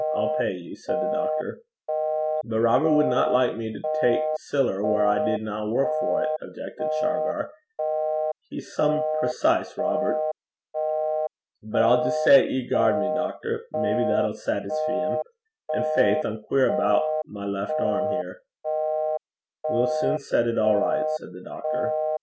I'll pay you,' said the doctor. 'But Robert wadna like me to tak siller whaur I did nae wark for 't,' objected Shargar. 'He's some pernickety (precise) Robert. But I'll jist say 'at ye garred me, doctor. Maybe that 'll saitisfee him. An' faith! I'm queer aboot my left fin here.' 'We'll soon set it all right,' said the doctor.